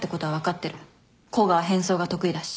甲賀は変装が得意だし。